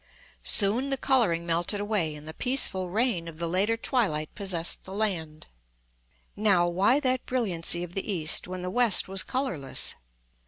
Soon the colouring melted away, and the peaceful reign of the later twilight possessed the land. Now why that brilliancy of the east, when the west was colourless?